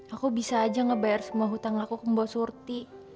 aku bisa aja ngebayar semua hutang aku ke mbak surti